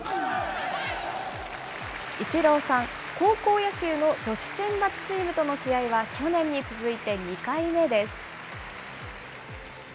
イチローさん、高校野球の女子選抜チームとの試合は去年に続いて２回目です。